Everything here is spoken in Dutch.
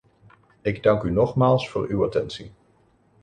Ik dank u nogmaals voor uw attentie.